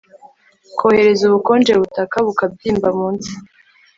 kohereza ubukonje-butaka-bukabyimba munsi